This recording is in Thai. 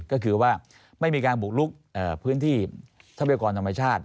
ก็คือว่าไม่มีการบุกลุกพื้นที่ทรัพยากรธรรมชาติ